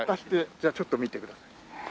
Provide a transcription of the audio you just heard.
じゃあちょっと見てください。